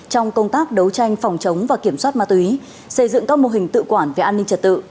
trong công tác đấu tranh phòng chống và kiểm soát ma túy xây dựng các mô hình tự quản về an ninh trật tự